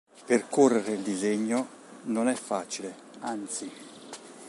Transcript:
Percorrere il Disegno non è facile, anzi.